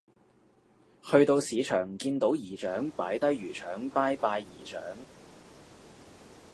去到市場見到姨丈擺低魚腸拜拜姨丈